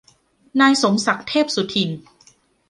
นายสมศักดิ์ เทพสุทิน